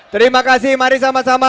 terima kasih mari sama sama